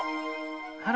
あら。